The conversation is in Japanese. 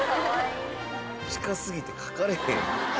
近過ぎて書かれへん。